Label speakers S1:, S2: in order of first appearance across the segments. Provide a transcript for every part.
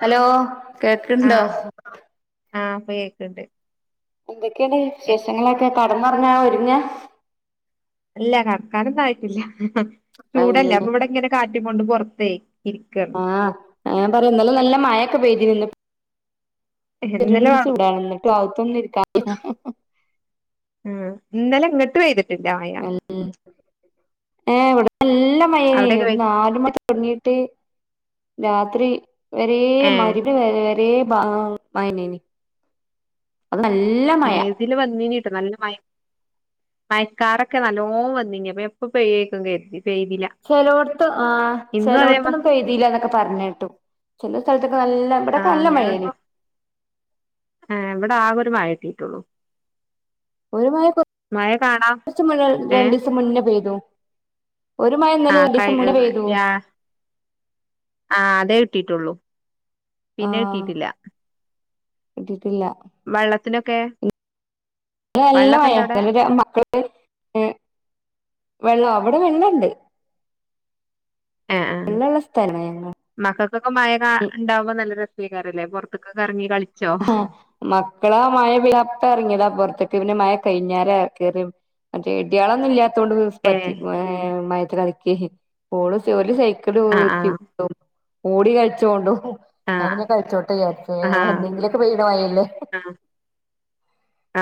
S1: Hello കേക്കണ്ടോ
S2: ആ കേൾക്കണ്ട്
S1: [inaudible] ഒക്കടെ വിശേഷങ്ങളൊക്കെ കടം പറഞ്ഞാ ഒരുങ്ങ
S2: അല്ല കർകാന ആയിട്ടില ചൂടല്ലേ
S1: ആയില്ലല്ലോ
S2: അപ്പൊ ഇവിടെ ഇങ്ങനെ കാറ്റി കൊണ്ട് പുറത്ത
S1: ആഹ് പറയന്നല്ലോ നല്ല മഴൊക്കെ പെയ്തി നിന്ന് ചെ
S2: ഇന്നലെ
S1: ചൂടണന്ന് ക്ലൗത്ത് ഒന്നും ഇരിക്കാ
S2: ആഹ് ഇന്നലെ എങ്ങട്ട് പെയ്തു ണ്ടായ
S1: ഏ ഇവി നല്ല മയന നാലുമണി തുടങ്ങിയിട്ട് രാത്രി വെരേ
S2: ഏഹ്
S1: മരിത് വെരെ വെരേ വാ പയനനി
S2: ഏതില് വന്നീനിട്ടോഷ [unintelligible] നല്ല മയ മയക്കാറൊക്കെ നല്ലോം വന്നീനി അപ്പോ ഞാൻ ഇപ്പ പെയ്യയ്ക്കും കരുതി. പെയ്തില്ല
S1: ചെലോടത്ത് ആ
S2: ഇന്നും അതേമാ
S1: ചെലോടത്ത്ന്ന് പെയ്തീലന്നൊക്കെ പറഞ്ഞേട്ടു. ചെലോ സ്ഥലത്തൊ
S2: ആഹ് ഞാനത് പൊ ആ ഇവിടെ ആകൊരുമഴേ തീറ്റൊള്ളൂ
S1: ഒരു മയ ച്ചു മഴ
S2: ഏഹ്
S1: രണ്ടീസം മുന്നേ പെയ്തു ഒരു മഴ ഇന്നലെ
S2: ആഹ് കൈ
S1: രണ്ടീസം മുന്നേ പെയ്തു
S2: വ്യാ ആ അതെ ട്ടീട്ടുള്ളൂ പിന്നെ കിട്ടീട്ടില്ല.
S1: കിട്ടീട്ടില്ല
S2: വെള്ളത്തിനൊക്കെ
S1: ഇവിടെ നല്ല
S2: വെള്ളൊക്കെ ഇണ്ടോ അവിടെ
S1: മഴേ [unintelligible] രു മക്കള് വെള്ളോ അവിടെ വെള്ളണ്ട്
S2: ആഹ് ആ
S1: വെള്ളള്ള സ്ഥലാണ് ഞങ്ങൾ
S2: മക്കക്കൊക്കെ മഴ കാ ണ്ടാവുമ്പോ നല്ല രസ് കാരല്ലേ പൊറത്ത്ക്ക് ഒക്കെ ഇറങ്ങി കളി
S1: ഹോ മക്കളാ മഴ പെയ്ത അപ്പോ ഇറങ്ങിയതാ പൊറത്ത് ക്ക് പിന്നെ മഴ കയിഞ്ഞേരാ കെയറിയും മറ്റേ ഇടിയാളൊന്നും ഇല്യാ ത്തോണ്ട്
S2: ഏ
S1: സ്പറ്റി മഴ സ്സ് കളിക്യേം പോള് ഓല് സെ
S2: ആഹ് ആഹ്
S1: [unintelligible] ഓടി കളിച്ചോണ്ടു ന്നാ
S2: ആഹ്
S1: പിന്നെ കളിച്ചോട്ടെ വിചാരിച്ചു
S2: ആഹ്
S1: എന്തെങ്കിലും ക്ക് പെയ്ത മഴയല്ലേ
S2: ആഹ്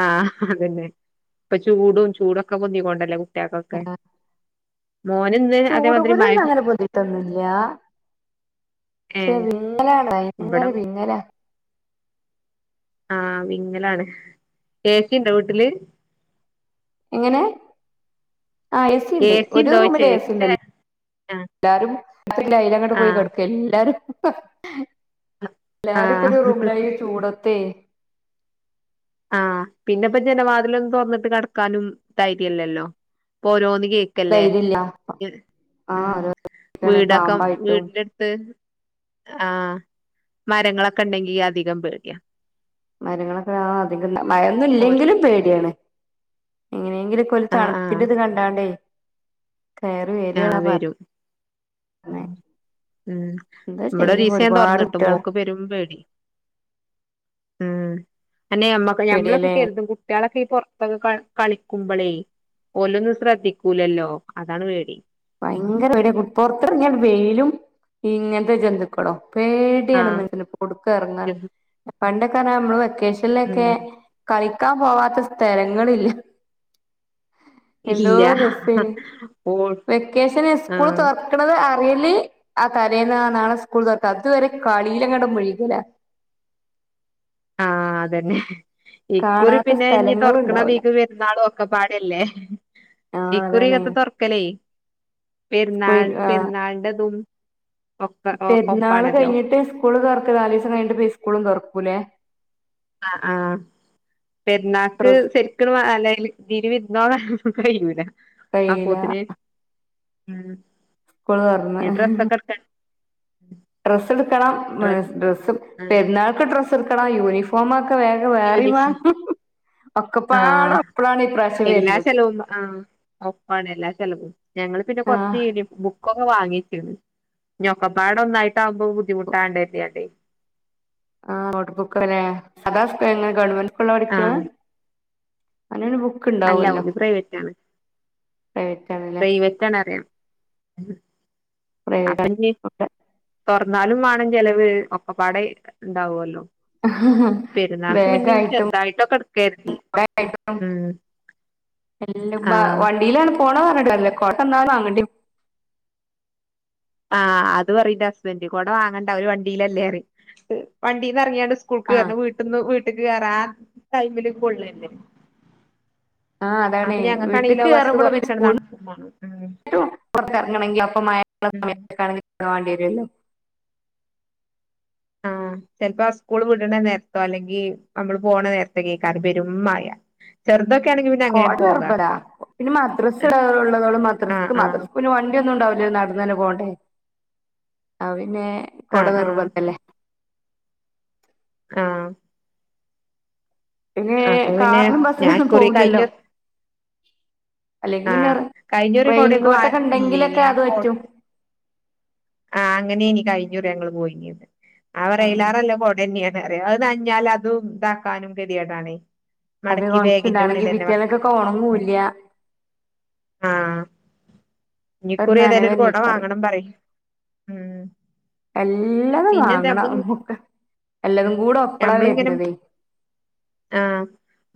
S2: ആഹ് അതന്നെ ഇപ്പ ചൂടും ചൂടൊക്കെ പൊന്തിക്കൊണ്ടല്ലേ ട്യാകൊക്കെ
S1: ചൂടുകുരൊന്നും അങ്ങനെ പൊന്തീട്ടൊന്നൂല്ല
S2: ഏ
S1: ക്ഷെ വിങ്ങലാണ് ഭയങ്കര
S2: ഇവിടെ
S1: വിങ്ങലാ
S2: ആഹ് വിങ്ങലാണ് ഏസീണ്ടാ വീട്ടില്?
S1: ഏഹ് ആ ഏസി
S2: ഏ
S1: ഇണ്ട്
S2: സി
S1: ഒരു
S2: ഉണ്ടോയ്ച്ചാ ഏ സി ഇല്ല
S1: റൂമിലേസിണ്ട്
S2: ആഹ്
S1: എല്ലാരും രാത്രിപിന്നെ അയി ല് അങ്ങോട്ട് പോയി
S2: ആഹ്
S1: കെടക്കെല്ലാരും. എല്ലാരും ഇപ്പൊ
S2: ആഹ്
S1: ഒരു റൂമിലാ ഈ ചൂടത്തേ.
S2: ആഹ് പിന്നെ ഇപ്പ ജനവാതിലൊന്നും തുറന്നിട്ട് കെടക്കാനും ധൈര്യല്ലല്ലോ ഇപ്പോ ഓരോന്ന് കേക്കല്ലേ
S1: ധൈര്യല്ല
S2: ഉം
S1: ആഹ് ക്കാണ്
S2: വീടൊക്കെ
S1: പാമ്പായിട്ടും
S2: വീടിന്റെടുത്ത് ആഹ് മരങ്ങളൊക്കെ ഇണ്ടെങ്കി അധികം പേടിയാ.
S1: മരങ്ങളൊ ആ അധികം മഴയൊന്നും
S2: ഓര്
S1: ഇല്ലെങ്കിലും പേടിയാണ് എങ്ങനെയെങ്കിലും ഒരു
S2: ആഹ്
S1: തണുപ്പിന്റെ ഇത് കണ്ടാണ് [unintelligible]
S2: ആ വരും
S1: പറഞ്ഞെ
S2: ഉം
S1: എന്താ
S2: ഇവിടെ
S1: ചെയ്യ
S2: ഒരീസം ഞാൻ
S1: ഒരുപാട്
S2: തുറന്നിട്ടു
S1: കുട്ടികൾ
S2: മോക്ക് പെരും പേടി ഉം തന്നെ ഞമ്മക്ക് ഞമ്മളൊക്കെ
S1: പേടിയല്ലേ
S2: കരുതും കുട്ട്യാളൊക്കെ ഈ പുറത്തൊക്കെ കളി കളി ക്കുമ്പളേ ഒലൊന്നും ശ്രദ്ധിക്കൂലല്ലോ അതാണ് പേടി.
S1: ഭയങ്കര പേടിയാ പൊറത്തിറങ്ങിയാ വെയിലും ഇങ്ങനത്തെ ജന്തുക്കളും. പേടിയാണ്
S2: ആഹ്
S1: മനുസന് ഇപ്പോ ഔടക്കും ഇറങ്ങാൻ പണ്ടൊക്കെ [unintelligible] വെക്കേഷൻലൊക്കെ
S2: ഉം
S1: കളി ക്കാൻ പോവാത്ത സ്ഥലങ്ങളില്ല. എന്തോ
S2: ഇല്ല.
S1: രസേനി
S2: ഓൾ
S1: വെക്കേഷന് സ്കൂൾ
S2: ആഹ്
S1: തൊർക്കണത് അറ്യല് ആ തലേന്ന് ആ നാളെ സ്കൂൾ തൊർക്കാ. അതുവരെ കളീലങ്ങട് മുഴികലാ.
S2: ആഹ് അതന്നെ ഇക്കുറി
S1: കാണാത്ത
S2: പിന്നെ ഇഞ്ഞ്
S1: സ്ഥലങ്ങളും ഉണ്ടാവൂല
S2: തൊർക്ണതീക്ക് പെരുന്നാളും ഒക്കെ പാടല്ലേ
S1: ആഹ് അതാണ്
S2: ഇക്കുറികത്തെ തൊർക്കലേ പെരുന്നാൾ പെരുന്നാളിന്റെതും ഒക്കെ
S1: പെരുന്നാൾ
S2: ഒപ്പാണല്ലോ
S1: കഴിഞ്ഞിട്ട് സ്കൂള് തൊർക്കാ. നാലീസം കഴിഞ്ഞിട്ട് ഇപ്പ സ്കൂളും തൊർ ക്കുലേ
S2: ആ ആ പെരുന്നാൾക്ക്
S1: ഡ്രസ്സ്
S2: ശരിക്ക്നും അല്ലയ്ല് തീല് വിര്ന്നോണത് കയ്യൂല
S1: കയീല
S2: ഉം
S1: സ്കൂള് തൊർന്ന്. ഡ്രസ്സ് ഇട്ക്കണം [unintelligible] ഡ്രസ്സ്
S2: ആഹ്
S1: പെരുന്നാൾക്ക് ഡ്രസ് [unintelligible] യൂണിഫോമ
S2: യൂണിഫോം ആ
S1: ഒക്കപ്പാടെ ഒപ്പളാണ് ഇപ്രാവശ്യം
S2: എല്ലാ
S1: വരുന്നത്
S2: ചെലവും ആ ഒപ്പാണ് എല്ലാ ചെലവും ഞങ്ങള് പിന്നെ കൊറച്ച്
S1: ആഹ്
S2: യൂണി ബുക്കൊക്കെ വാങ്ങി ഞൊക്കെപ്പാട ഒന്നായിട്ടാകുമ്പോ ബുദ്ധിമുട്ടാണ്ട് [unintelligible]
S1: ആ നോട്ട്ബുക്ക് അല്ലെ [unintelligible] ഗവൺമെന് [unintelligible] പഠിക്കണെ
S2: ആഹ്
S1: [unintelligible]
S2: അല്ല ഓല് പ്രൈവറ്റ് ആണ്
S1: പ്രൈവറ്റ് ആണല്ലേ
S2: പ്രൈവറ്റ് ആണ് അറി
S1: പ്രൈവറ്റ്
S2: അപ്പഞ് എന്നാലും വേണം ചെലവ് ഒക്കപ്പാടെ ഉണ്ടാവുവല്ലോ
S1: വേഗായിട്ടും
S2: ചെറുതായിട്ടൊക്കെ എടുക്കാ കരുതി
S1: [unintelligible]
S2: ഉം ആഹ്
S1: വണ്ടിയിലാണ് പോ പോണ പറഞ്ഞിട്ട് [unintelligible]
S2: ആഹ് അത് പറയുംന്റെ ഹസ്ബൻ്റ് കോട വാങ്ങണ്ട അവര് വണ്ടീലല്ലേറി വണ്ടീന്ന് ഇറങ്ങിയാണ്ട് സ്കൂൾക്ക്
S1: ആഹ്
S2: കയറണം വീട്ടിന്ന് വീട്ടി [unintelligible] ആ ടൈമില് കൊള്ളലെ
S1: ആ അതാണേ വീട്ടിക്ക് കയറുമ്പഴും [unintelligible]
S2: കൊറച്ചാണ്ട് നടക്കും മാണം ഉം
S1: സ്കൂളിന് പുറത്ത് ഇറങ്ങണെങ്കിലോ അപ്പം മഴ [unintelligible]
S2: ഉം
S1: സമയത്ത് ഒക്കെ ആണെങ്കി അ [unintelligible]
S2: ആഹ് ചെലപ്പോ സ്കൂള് വിടണ നേരത്തോ അല്ലെങ്കി നമ്മള് പോകണ നേരത്തൊക്കെ പെരുംമഴ ചെറു
S1: കൊട [unintelligible] പിന്നെ മദ്രസ [unintelligible]
S2: ആഹ്
S1: മദ്രസ്ക്ക്
S2: ആഹ്
S1: മദ്രസ്ക്ക് പിന്നെ വണ്ടി ഒന്നും ഉണ്ടാവി നടന്നന്നെ പോണ്ടേ അവി പിന്നെ കൊട
S2: ആഹ് ആഹ്
S1: നിർബന്ധല്ലേ
S2: അ
S1: ഇങ്ങനെ
S2: പിന്നെ
S1: കാറിനും
S2: ഞാൻ
S1: ബസ്സിനൊന്നും
S2: ഇക്കുറി
S1: പോവുല്ലല്ലോ
S2: കഴിഞ്ഞ
S1: അല്ലെങ്കി പിന്നെ
S2: ആഹ് കഴിഞ്ഞുറി കൊടയൊന്നും വാ
S1: റെയിൻകോട്ടൊക്കെ
S2: ഇല്ലേനി
S1: ഉണ്ടെങ്കിലൊക്കെ അത്
S2: കോട
S1: പറ്റും
S2: ആ അങ്ങനെ ഇനി കഴിഞ്ഞൂറി ഞങ്ങള് പോയിനത്
S1: ആഹ്
S2: അവറയിലാറല്ല കൊടന്നെയ അത് നനഞ്ഞാല് അതും ഇതാക്കാനും കതിയടാണ്
S1: അത് ഒണക്കി ഇടാണെങ്കി പിറ്റേന്നൊക്കൊക്കൊ ഒണങ്ങൂല്ല
S2: ആഹ് ഇനിക്കുറി ഏതായാലും ഒരു കൊട വാങ്ങണം പറയ് ഉം
S1: എല്ലതും
S2: പിന്നെന്താ നമ്മള്
S1: വാങ്ങണം എല്ലതും
S2: ഉം
S1: കൂട ഒപ്പളാ
S2: ഞമ്മളിങ്ങനെ
S1: വരുന്നത്
S2: ആഹ്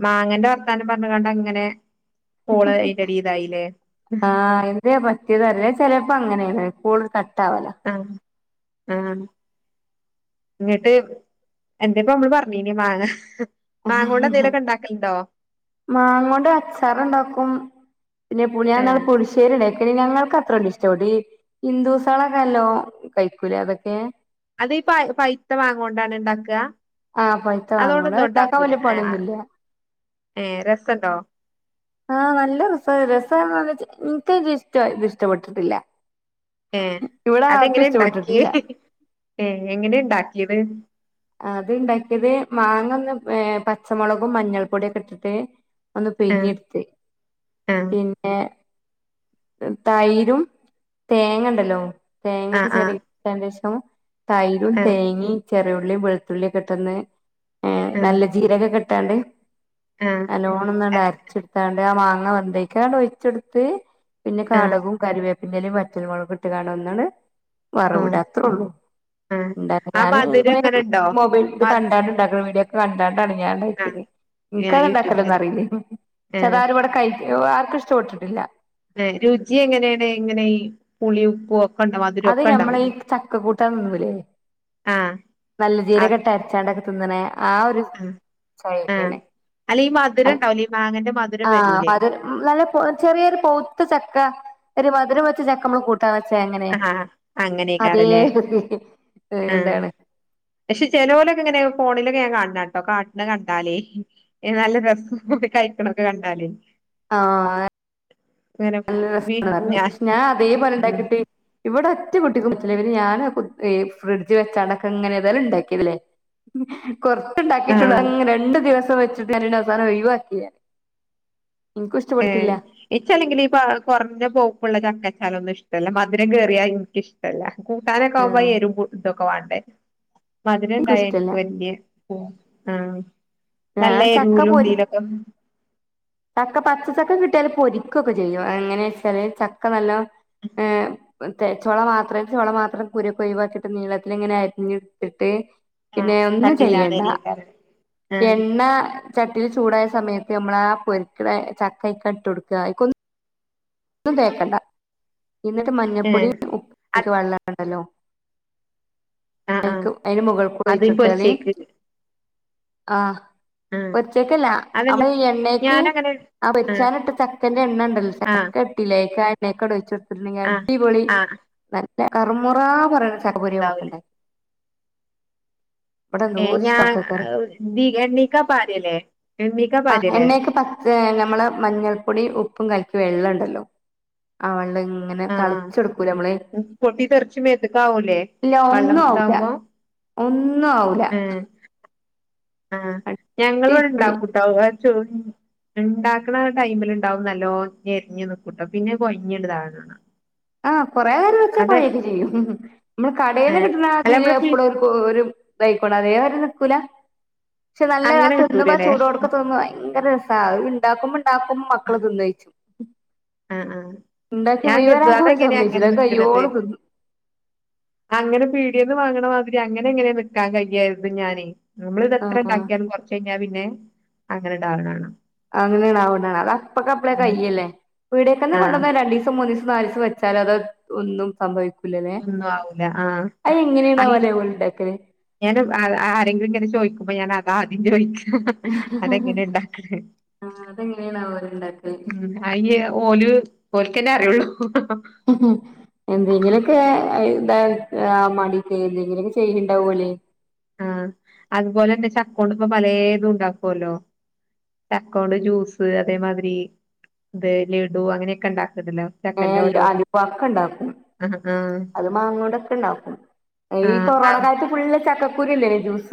S2: മാങ്ങന്റെ വർത്താനം പറഞ്ഞ കണ്ട അങ്ങനെ കോള് അയിന്റെടി ഇതായില്ലേ
S1: ആഹ് എന്തേ പറ്റിയത അല്ലേ ചെലപ്പോ അങ്ങനെ ഏ കോള് ക
S2: അ അഹ എന്നിട്ട് എന്തിപ്പം നമ്മള് പറഞ്ഞീനി മാങ്ങ മാങ്ങോണ്ട് എന്തേലൊക്കെ ഇണ്ടാക്കലുണ്ടോ
S1: മാങ്ങ കൊണ്ട് അച്ചാറുണ്ടാക്കും പിന്നെ പുളിയാന്നാ
S2: ഏഹ്
S1: പുളിശ്ശേരി വെ ഞങ്ങൾക്ക് അത്രയ്ക്ക് [unintelligible] ഹിന്ദുസെൾ നാലോ കഴിക്കൂലെ അതൊക്കെ
S2: അത് പ പൈത്തമാങ്ങോണ്ടാണ് ഇണ്ടാക്കാ
S1: ആ പഴത്ത വാങ്ങണം ഉണ്ടാക്കാ വലിയ
S2: ആഹ്
S1: പണിയൊന്നുല്ല
S2: ഏ രസണ്ടോ
S1: ആ നല്ല റിസ രസ [unintelligible] ഇത് ഇഷ്ടപ്പെട്ടിട്ടില്ല
S2: ഏ
S1: ഇവിടെ ആർക്കും
S2: അതെങ്ങനെ ഇണ്ടാക്കിയേ
S1: ഇഷ്ടപ്പെട്ടിട്ടില്ല
S2: ഏ എങ്ങനെയിണ്ടാക്കിയത്
S1: അത് ഇണ്ടാക്കിയത് മാങ്ങ ഒന്ന് ഏ പച്ചമുളകും മഞ്ഞൾപ്പൊടിയൊക്കെ ഇട്ടിട്ട് ഒന്ന്
S2: ആ
S1: പിഞ്ഞെടുത്ത്
S2: ആ
S1: പിന്നെ തൈരും തേങ്ങണ്ടല്ലോ
S2: ആ
S1: തേങ്ങക്ക്
S2: ആ
S1: ചെറിയ [unintelligible] തൈരും
S2: ആ
S1: തേങ്ങേ ചെറിയു ള്ളിയും വെളുത്തുള്ളിയൊക്കിട്ടൊന്ന്‌ ഏ
S2: ആ
S1: നല്ല ജീരകൊക്കെ [unintelligible]
S2: ആ
S1: നല്ലോണന്നങ്ങാണ്ട് അരച്ചെടുത്താ [unintelligible] മാങ്ങ വെന്തേക്കാണ്ട് ഒഴിച്ചെടുത്ത് പിന്നെ
S2: ആ ആ
S1: കാടകോം കരിവെ പിന്നലേം വറ്റല് മുളക് ഇട്ട്കാണ്ട്ഒന്നണ്ട്
S2: ആ
S1: വറവിടാ അത്രേള്ളൂ. [unintelligible]
S2: ആ
S1: ഞാന്
S2: മധുരം
S1: ഇങ്ങനെ
S2: എങ്ങനെണ്ടോ
S1: മൊബൈൽ ഇത്
S2: മധ്
S1: കണ്ടാണ്ടുണ്ടാക്കണ വീഡിയോ [unintelligible] അതെ ഞാൻ
S2: ആ
S1: കഴിച്ചത്
S2: ആ
S1: ൻക്കത്
S2: യൂട്യൂബില്
S1: ഉണ്ടാക്കണ്ടെന്നറിയില്ലെന്നു
S2: ആ
S1: ചേലാരിവിടെ കഴി ഇവിടെ ആർക്കും ഇഷ്ടപ്പെട്ടിട്ടില്ല
S2: ല്ലെ രുചി എങ്ങനെയാണ് എങ്ങനെഈ പുളി ഉപ്പോ
S1: അത് ഞമ്മള ചക്ക കൂട്ടാൻ തിന്നൂലേ
S2: ആ
S1: നല്ല
S2: അത്
S1: ജീരകം ഇട്ട് അരച്ചാണ്ടൊക്കെ തിന്നണേ ആ ഒരു
S2: ആ
S1: ചൊവ്വേക്കാണ്
S2: അല്ല ഈ മധുരം ഉണ്ടാവൂലേ ഈ മാങ്ങന്റെ മധുരം
S1: ആ
S2: വരൂലേ
S1: [unintelligible] നല്ല ചെറിയൊരു പൗത്ത ചക്ക ഒരു മധുരവെ ത്ത ചക്ക മ്മള് കൊ ത്താച്ച അങ്ങനെ
S2: ആ അങ്ങനെയക്കാറല്ലേ ആ
S1: എന്താണ്
S2: പക്ഷെ ചെലോലൊക്കെ ഇങ്ങനെ ഫോണിലൊക്കെ ഞാൻ കാൺണട്ടോ കാട്ടണ കണ്ടാലേ നല്ല രസ കഴിക്കണ കണ്ടാല്
S1: ആ
S2: വി
S1: നല്ല
S2: ഞാൻ
S1: [unintelligible] അതേ പോലെ
S2: ഉം
S1: ഉണ്ടാക്കിട്ട് ഇവിടെ ഒറ്റ കുട്ടിക്കും റ്റില്ല, പിന്നെ ഞാൻ ഫ്രിഡ്ജ് വെച്ചാണ്ടക്ക ങ്ങനെ, തയാലും ണ്ടാക്കിയതല്ലേ. കൊറത്തുണ്ടാക്കിയിട്ടുള്ളൂ,
S2: ആഹ്
S1: രണ്ടു ദിവസം വെ സാന ഒഴിവാക്കിഞാൻ.
S2: ഏഹ്, ഇച്ച അല്ലെങ്കിലിൽ ഇപ്പ കുറഞ്ഞ പോക്കുള്ള ചക്കച്ചാലം ഒന്നും ഇഷ്ടല്ല മധുരം കയറിയാൽ എനിക്കിഷ്ടല്ല. കൂട്ടാനൊക്കെആവുമ്പോ
S1: ആഹ്
S2: അത് എരും പു വാണ്ടേ മധുരം
S1: എനിക്കും
S2: ഇണ്ടായ ഇൻക്ക്
S1: ഇഷ്ടല്ല
S2: വല്യ ആ നല്ല
S1: ഞാൻ ചക്ക
S2: എരൂലും
S1: പൊരി
S2: [unintelligible]
S1: ചക്ക പച്ചച്ചക്ക കിട്ടിയാല് പൊരിക്കക്കെ ചെയ്യും, അങ്ങനെ ച്ചാല് ചക്ക നല്ലോ ഏ ചൊള മാത്രം ചൊള മാത്രം കുരു കൊഴിവാക്കിട്ട് നീളത്തി ങ്ങനെ അരിഞ്ഞിട്ത്തിട്ട്
S2: ആഹ്
S1: പിന്നെ ഒന്നും
S2: കട്ടില്ലാതെ
S1: ചെയ്യണ്ട,
S2: അരിയേക്കാരം ആഹ്
S1: എണ്ണ ചട്ടിൽ ചൂടായ സമയത്ത് നമ്മള ആ, പൊരിക്കട ചക്കക ഇട്ട് കൊടുക്ക ന്നും തേക്കണ്ട എന്നിട്ട് മഞ്ഞൾപ്പൊടിയ
S2: ഏഹ്
S1: ഉപ്പിന്റെ വെള്ളണ്ടല്ലോ,
S2: ആഹ്
S1: അയ്ക്ക്
S2: ആഹ്
S1: അയ്‌ന്റെ മുകൾക്കൂടെ
S2: അത്
S1: ഒഴിച്ചോട്ത്താല്
S2: പൊരിച്ചേക്ക്
S1: ആഹ്
S2: ആഹ്
S1: പോര്ച്ചേക്കല്ല അപ്പ
S2: അതല്ല
S1: ഈ എണ്ണയ്ക്ക്
S2: ഞാനങ്ങനെ
S1: ആ
S2: ആഹ്
S1: വച്ചാനിട്ട് ചക്കന്റെ എണ്ണ ഇണ്ട
S2: ആഹ്
S1: ചട്ടിലേക്ക [unintelligible]
S2: ആഹ്
S1: അടിപൊളി
S2: ആഹ്
S1: ന കറമുറ പറയണ
S2: ഇതാവൂലേ
S1: [unintelligible]
S2: ഏഹ്
S1: ഇവിടെന്തൂര
S2: ഞാൻ
S1: ഇഷ്ടമക്കക്കറി,
S2: ദി എണ്ണീക്കാ പാരല്ലേ എണ്ണീക്കാ
S1: ആ
S2: പാരല്ലേ
S1: എണ്ണക്ക് പ നമ്മള് മഞ്ഞൾപ്പൊടിം ഉപ്പും കലക്കി വെള്ളണ്ടല്ലോ ആ വെ അങ്ങനെ
S2: ആഹ് ആഹ്
S1: തളിച്ചെടുക്കൂലെ നമ്മള്,
S2: പൊട്ടി തെറിച്ച് മേത്ത്ക്കാവൂലേ
S1: ഇല്ല
S2: വള്ളം
S1: ഒന്നും ആവൂല
S2: ഇതാവുമ്പോ
S1: ഒന്നും ആവൂല
S2: ആഹ ഞങ്ങളവിടെ
S1: അടിപൊളി
S2: ഇണ്ടാക്കൂട്ടോ, ഇണ്ടാക്കണ ടൈമിലിണ്ടാവും, നല്ലോ ഞെരിഞ് നിക്കൂട്ടോ, പിന്നെ കൊഴഞ്ഞണ്ട് [unintelligible]
S1: ആഹ് കൊറേരം വെച്ചാൽ കൊയൊക്കെ ചെയ്യും, ഇമ്മള് കടേൽന്ന്
S2: ഏഹ്
S1: കിട്ടുന്ന
S2: അല്ല
S1: അതിൽ
S2: നമ്മള്
S1: എപ്പഴ
S2: പി-
S1: ഒരു [unintelligible] കുല പക്ഷെ നല്ല
S2: അങ്ങനെ
S1: രാത്ത് നിന്നുമ്പോ
S2: കിട്ടൂലല്ലേ
S1: ചൂടോടൊക്കെ തിന്നാ ഭയങ്കര രസാ [unintelligible] ണ്ടാക്കുമ്പോ മക്കള് തിന്നയിച്ചു ഉണ്ടാക്കി മുയ്വനാ
S2: അത് എങ്ങന അങ്ങനെ നിക്കണത് അങ്ങനെ പീടിയെന്നു ഇത് വാങ്ങണ മാതിരി അങ്ങനെ എങ്ങനെയെ നിക്കാൻ കഴിയ്യായിരുന്നു ഞാനെ നമ്മളിതെത്ര
S1: ആഹ്
S2: ഉണ്ടാക്കിയാലും കൊറച്ച കഴിഞ്ഞാ പിന്നെ അങ്ങന, ണ്ടാവിണാനാ
S1: അങ്ങനെണാവനെ അത് അപ്പൊ കപ്പള
S2: ഉം
S1: കയ്ല്ലേ വീടേക്കന്ന്
S2: ആഹ്
S1: കൊണ്ടന്നോ രണ്ട ദിവം മന്നിവ [unintelligible] മനസ് വെച്ചാ അത് ഒന്നും സംഭവിക്കും
S2: ഒന്നും ആവില്ല ആ
S1: എങ്ങനെയാണ്
S2: അയി
S1: ആവോലെ ഓല് ഇണ്ടാക്കല്
S2: ഞാൻ ആരെങ്കിലും ഇങ്ങനെ ചോദിക്കുമ്പോ ഞാൻ അതാ യി
S1: ആ അതെങ്ങനെയാണാവോ ഉണ്ടാക്ക
S2: ഉം അയിലേ ഓല് എന്നെ അറിയുള്ളൂ
S1: ഉം
S2: ഉം
S1: എന്തെങ്കിലൊക്കെ മടി ടെയില് എന്തെങ്കിലുലൊക്കെ ചെയ്യണ്ടാവൂലേ
S2: ആഹ അതുപോലെ തന്നെ ചക്കോണ്ട് ഇപ്പൊ പലേതും ഉണ്ടാക്കുവല്ലോ ചക്കോണ്ട് ജ്യൂസ് അതേമാതിരി ഇത് ലഡു അങ്ങനെയൊക്കെ ഉണ്ടാക്ക
S1: ഏ അതൊക്കെ ഉണ്ടാക്കും
S2: ആഹ് ആഹ്
S1: അത് മാങ്ങണ്ടൊക്കെ ഉണ്ടാക്കും ഈ
S2: ആഹ്
S1: കൊറോണ
S2: ആഹ്
S1: കാലത്ത് ഫുള്ള ചക്ക ക്കുരിയല്ലേജൂസ്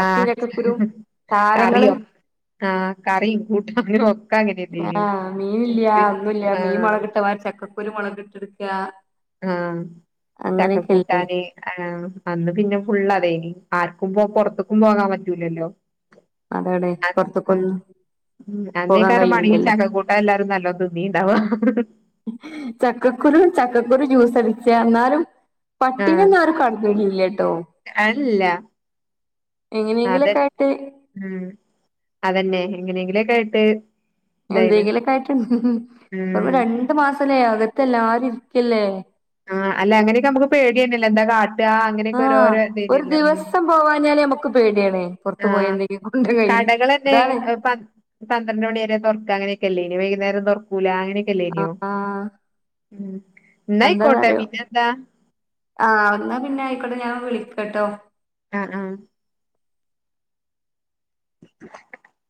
S2: ആ കറി
S1: താരങ്ങള്
S2: ഒക്ക ആഹ് കറി കൂട്ടനൊക്കെ
S1: ആഹ് മീൻ ഇല്ല ഒന്നുംല്ല മീൻ
S2: ആഹ്
S1: മുളകിട്ടമാ ചക്കക്കൊരു മുളക കിട്ട ക്കുവാ
S2: ആ ചക്കക്കൂട്ടാന് ആ അന്ന് പിന്നെ ഫുള്ളതേ ആർക്കും പോ പുറത്തക്കും പോകാൻ പറ്റൂലല്ലോ
S1: അതവിടെ പൊറത്ത്ക്കൊന്നും പോകാൻ
S2: അന്നേക്കാരമാണങ്കി ഈ
S1: കഴിയൂലല്ലോ
S2: ചക്ക കൂട്ടാന്എല്ലാരും നല്ലോ തിന്നീണ്ടവ
S1: ചക്കക്കുരു ചക്കക്കുരു ജ്യൂസ് അടിച്ച എന്നാലും
S2: ആഹ്
S1: പട്ടിണിനാരും കടക്കണ്ടില്ലട്ടോ
S2: അല്ല അതെ
S1: എങ്ങനെയെങ്കിലൊക്കെ ആയിട്ട്
S2: എങ്ങനെങ്കിലുമൊക്കെ ആയിട്ട് ഇതായിണ്
S1: എന്തെങ്കിലൊക്കെ ആയിട്ടു ഉം രണ്ടു മാസലേ അകത്തെല്ലാരും ഇരിക്കല്ലേ
S2: ആഹ് അല്ല അങ്ങനെയൊക്കെ നമുക്ക് പേടിയാണല്ല എന്താ കാട്ട താ അങ്ങനെയൊക്കെ
S1: ആഹ്
S2: ഓരോരോ
S1: ഒരു
S2: ഇതന്നല്ലോ
S1: ദിവസം പോവാഞ്ഞാല് നമുക്ക് പേടിയാണ് പുറത്തു പോയി
S2: ആഹ
S1: എന്തെങ്കിലും കൊണ്ട് കയ്യിൽ
S2: കടകളക്കെ
S1: അതാണ്
S2: പന്ത്രണ്ട് മണിവരെ തുറക്ക അങ്ങനെയൊക്കെയല്ലേ വൈക്ന്നേരം തൊറ്ക്കൂല അ
S1: അ ആ
S2: ന്നായിക്കോട്ടെ
S1: എന്താന്നറിയോ
S2: പിന്നെന്താ
S1: ആ ന്നാ പിന്നെ അയ്ക്കോട്ടെ ഞാൻ വിളിക്കട്ടോ
S2: ആഹ് ആഹ്